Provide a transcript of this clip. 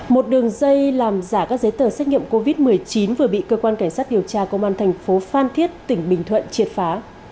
một đường dây làm giả các giấy tờ xét nghiệm covid một mươi chín vừa bị cơ quan cảnh sát điều tra công an thành phố phan thiết tỉnh bình thuận triệt phá